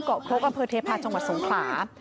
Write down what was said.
ครกอำเภอเทพาะจังหวัดสงขลา